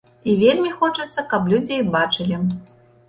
І вельмі хочацца, каб людзі іх бачылі.